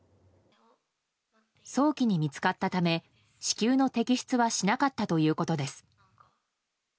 早期に見つかったため子宮の摘出はしなかったということです。